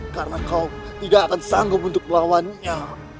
karena kau tidak akan sanggup untuk melawannya